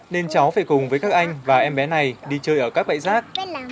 nên cháu phải cùng với các anh và em bé này đi chơi ở các bãi rác